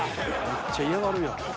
むっちゃ嫌がるやん。